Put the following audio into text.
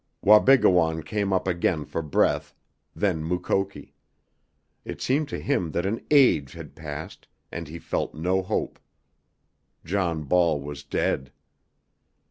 Wabigoon came up again for breath, then Mukoki. It seemed to him that an age had passed, and he felt no hope. John Ball was dead!